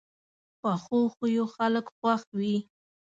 پخو خویو خلک خوښ وي